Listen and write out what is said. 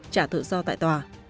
trả tự do tại tòa